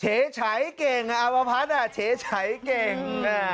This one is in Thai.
เฉชัยเก่งอาวพระพัทธ์เฉชัยเก่ง